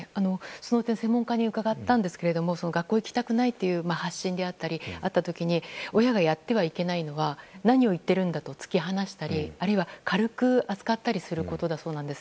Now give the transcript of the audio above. その点を専門家に伺ったんですが学校行きたくないという発信があった時に親がやっていけないのは何を言っているんだと突き放したり、あるいは軽く扱ったりすることだそうです。